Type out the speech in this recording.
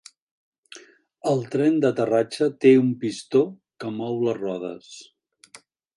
El tren d'aterratge té un pistó que mou les rodes.